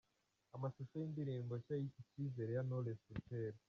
Amashusho y’indirimbo nshya Icyizere ya Knowless Butera:.